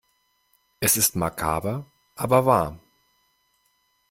Es ist makaber aber wahr.